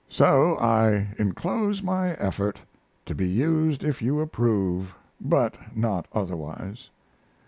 So I inclose my effort to be used if you approve, but not otherwise.